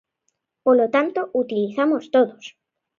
Polo tanto, utilizamos todos.